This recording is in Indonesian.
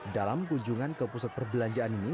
dalam kunjungan ke pusat perbelanjaan ini